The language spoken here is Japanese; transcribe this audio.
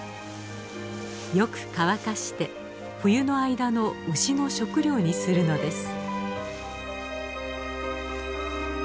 よく乾かして冬の間の牛の食料にするのです。